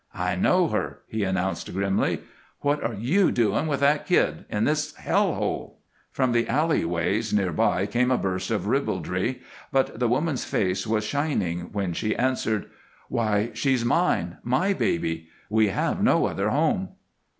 "I know her," he announced, grimly. "What are you doing with that kid in this hell hole?" From the alleyways near by came a burst of ribaldry, but the woman's face was shining when she answered: "Why, she's mine my baby. We have no other home."